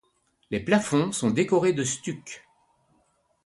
Les plafonds sont décorés de stuc.